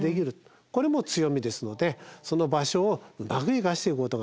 これも強みですのでその場所をうまく生かしていくことが大事かな。